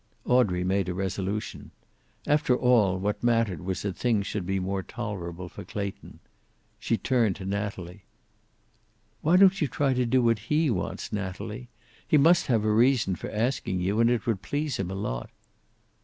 Audrey made a resolution. After all, what mattered was that things should be more tolerable for Clayton. She turned to Natalie. "Why don't you try to do what he wants, Natalie? He must have a reason for asking you. And it would please him a lot."